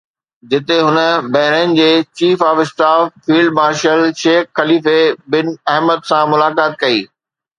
جتي هن بحرين جي chief of staff field marshal Sheikh Khalifa bin Ahmed سان ملاقات ڪئي